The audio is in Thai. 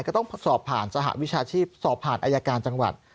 ก็ต้องสอบผ่านสหวิชาชีพสอบผ่านอายการจังหวัด